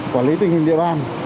quản lý tình hình địa bàn